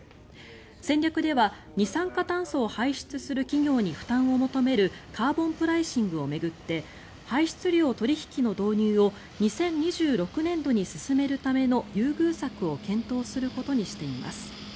戦略では二酸化炭素を排出する企業に負担を求めるカーボンプライシングを巡って排出量取引の導入を２０２６年度に進めるための優遇策を検討することにしています。